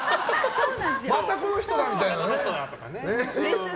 またあの人だ！みたいなね。